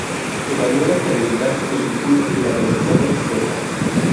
Evalúa la estabilidad, el impulso y la velocidad de respuesta.